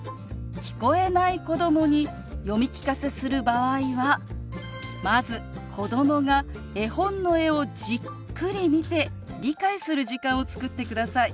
聞こえない子どもに読み聞かせする場合はまず子どもが絵本の絵をじっくり見て理解する時間を作ってください。